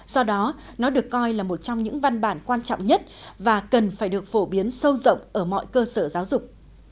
do đó nó được coi là một trong những văn bản quan trọng nhất và cần phải được phổ biến sâu rộng ở mọi cơ sở giáo dục